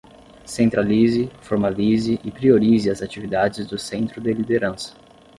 Centralize, formalize e priorize as atividades do Centro de Liderança.